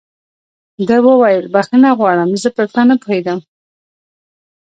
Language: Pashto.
ده وویل: بخښنه غواړم، زه پر تا نه پوهېدم.